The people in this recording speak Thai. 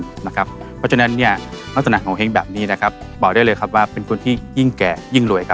เพราะฉะนั้นลักษณะของโงเห้งแบบนี้บอกได้เลยว่าเป็นคนที่ยิ่งแก่ยิ่งรวย